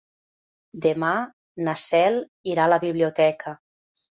Demà na Cel irà a la biblioteca.